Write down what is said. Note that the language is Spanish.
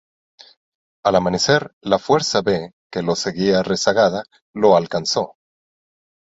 Al amanecer, la Fuerza B, que lo seguía rezagada, lo alcanzó.